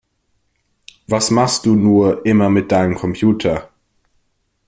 Was machst du nur immer mit deinem Computer?